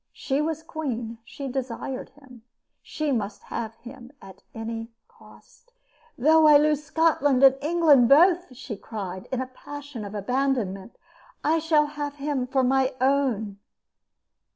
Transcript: She was queen. She desired him. She must have him at any cost. "Though I lose Scotland and England both," she cried in a passion of abandonment, "I shall have him for my own!"